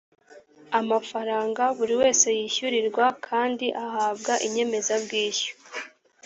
amafaranga buri wese yishyurirwa kandi ahabwa inyemezabwishyu